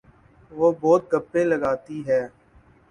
وہ بہت گپیں لگاتی ہے